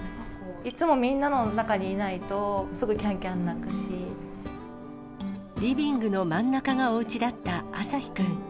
いつもみんなの中にいないと、リビングの真ん中がおうちだったあさひくん。